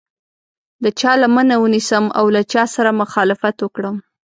د چا لمنه ونیسم او له چا سره مخالفت وکړم.